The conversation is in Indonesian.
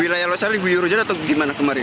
wilayah losali diguyur hujan atau gimana kemarin